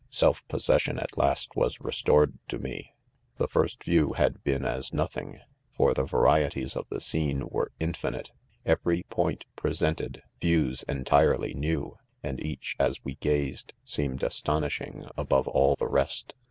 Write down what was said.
"self possession, at last was restored to me. 6 The first ¥iewhad been as nothing 5 for • the varieties of the scene were infinite. Eve ?y point' presented • views • entirely new, and each, as we gazed,, seemed astonishing above all the 'rest.